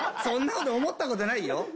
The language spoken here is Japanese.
そんな事思った事ないよ。